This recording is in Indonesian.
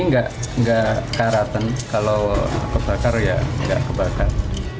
ini nggak karaten kalau kebakar ya nggak kebakar